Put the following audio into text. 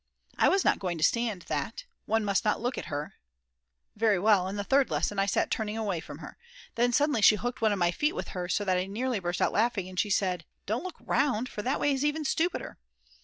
I was not going to stand that. One must not look at her; very well, in the third lesson I sat turning away from her; then suddenly she hooked one of my feet with hers so that I nearly burst out laughing, and she said: "Do look round, for that way is even stupider."